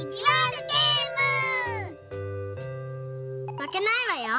まけないわよ！